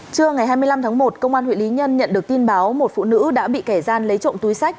trưa ngày hai mươi năm tháng một công an huyện lý nhân nhận được tin báo một phụ nữ đã bị kẻ gian lấy trộm túi sách